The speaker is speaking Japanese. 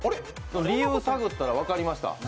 理由を探ったら分かりました。